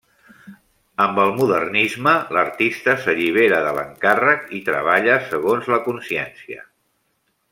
Amb el modernisme, l'artista s'allibera de l'encàrrec i treballa segons la consciència.